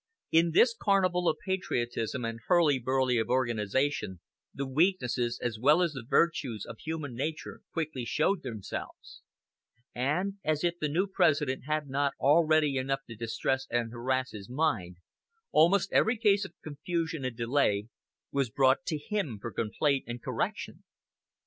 In this carnival of patriotism and hurly burly of organization the weaknesses as well as the virtues of human nature quickly showed themselves; and, as if the new President had not already enough to distress and harass his mind, almost every case of confusion and delay was brought to him for complaint and correction.